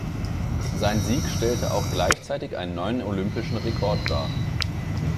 Sein Sieg stellte auch gleichzeitig einen neuen Olympischen Rekord dar.